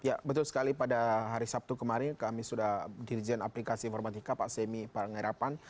ya betul sekali pada hari sabtu kemarin kami sudah dirijen aplikasi informatika pak semi pangairapan